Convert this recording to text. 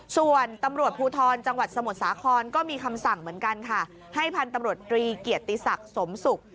ส่วนตำรวจภูธรจสมสาครก็มีคำสั่งเหมือนกันค่ะให้พันธศตรีเกียรติศักดิ์สมศุกร์